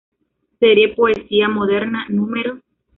Serie Poesía Moderna, núm.